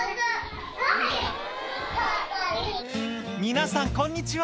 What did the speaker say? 「皆さんこんにちは」